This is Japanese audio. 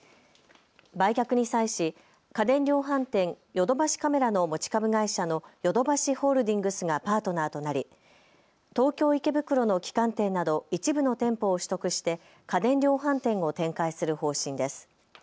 売却に際し家電量販店、ヨドバシカメラの持ち株会社のヨドバシホールディングスがパートナーとなり東京池袋の旗艦店など一部の店舗を取得して家電量販店を展開する方針です。